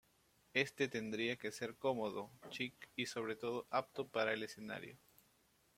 Éste tendría que ser cómodo, chic y sobre todo, apto para el escenario.